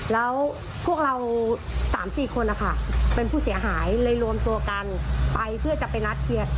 แล้วพวกเรา๓๔คนนะคะเป็นผู้เสียหายเลยรวมตัวกันไปเพื่อจะไปนัดเคลียร์